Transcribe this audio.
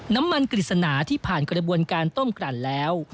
น้ำมันกริษณาที่ผ่านกระบวนการต้มกันแล้ว